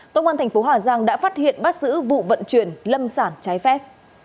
tổng quan tp hà giang đã phát hiện bắt giữ vụ vận chuyển lâm sản trái phép